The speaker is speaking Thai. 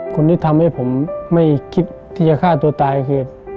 คนที่ทำให้ผมไม่คิดที่จะฆ่าตัวตายคือ